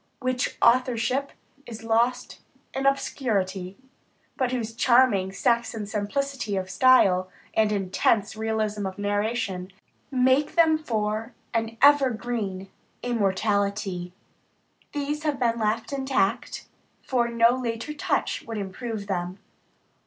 whose authorship is lost in obscurity, but whose charming Saxon simplicity of style, and intense realism of narration, make for them an ever green immortality these have been left intact, for no later touch would improve them.